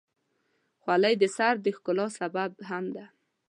خولۍ د سر د ښکلا سبب هم ده.